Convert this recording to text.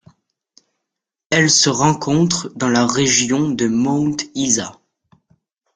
Elle se rencontre dans la région de Mount Isa.